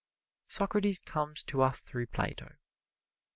Socrates comes to us through Plato.